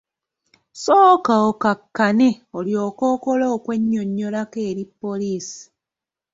Sooka okakkane olyoke okole okwennyonnyolako eri poliisi.